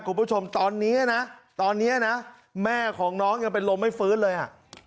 คุณผู้ชมตอนนี้นะตอนนี้นะแม่ของน้องยังเป็นลมไม่ฟื้นเลยอ่ะ